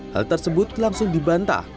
hal tersebut langsung dibantah